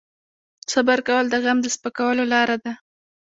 صبر کول د غم د سپکولو لاره ده.